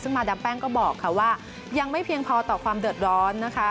ซึ่งมาดามแป้งก็บอกค่ะว่ายังไม่เพียงพอต่อความเดือดร้อนนะคะ